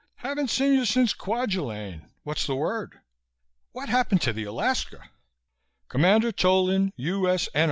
"Haven't seen you since Kwajalein. What's the word? What happened to the Alaska?" Commander Tolan, U.S.N.